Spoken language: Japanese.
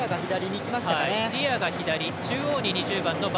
ディアが左中央に２０番。